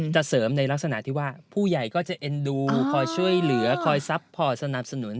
เสริมในลักษณะที่ว่าผู้ใหญ่ก็จะเอ็นดูคอยช่วยเหลือคอยซัพพอร์ตสนับสนุน